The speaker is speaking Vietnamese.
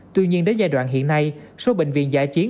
tuy nhiên đến giai đoạn hiện nay số bệnh viện giả chiến